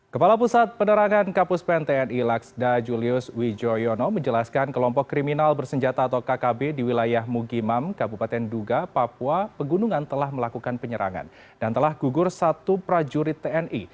kepala pusat penerangan kapus pen tni laksda julius wijoyono menjelaskan kelompok kriminal bersenjata atau kkb di wilayah mugimam kabupaten duga papua pegunungan telah melakukan penyerangan dan telah gugur satu prajurit tni